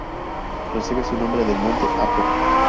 Recibe su nombre del monte Apo.